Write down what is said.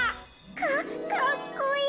かかっこいい。